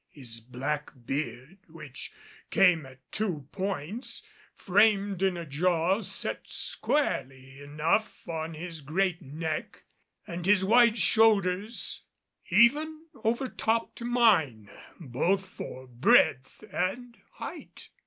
His black beard, which came at two points, framed in a jaw set squarely enough on his great neck, and his wide shoulders even over topped mine both for breadth and height.